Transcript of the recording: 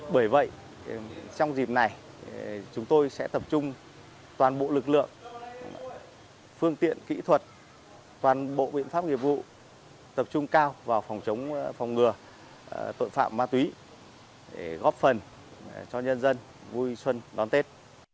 bởi vậy trong dịp này chúng tôi sẽ tập trung toàn bộ lực lượng phương tiện kỹ thuật toàn bộ biện pháp nghiệp vụ tập trung cao vào phòng chống phòng ngừa tội phạm ma túy để góp phần cho nhân dân vui xuân đón tết